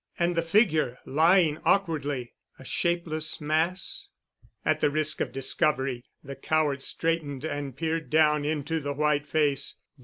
And the figure, lying awkwardly, a shapeless mass——? At the risk of discovery, the coward straightened and peered down into the white face